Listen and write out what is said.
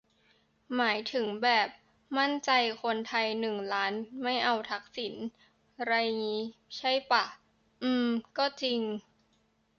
หมายถึงแบบ "มั่นใจคนไทยหนึ่งล้านไม่เอาทักษิณ" ไรงี้ใช่ป่ะ อืม ก็จริง